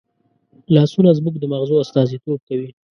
لاسونه زموږ د مغزو استازیتوب کوي